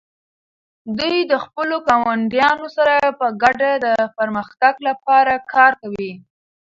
دوی د خپلو ګاونډیانو سره په ګډه د پرمختګ لپاره کار کوي.